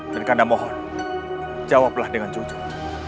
dan kanda mohon jawablah dengan jujur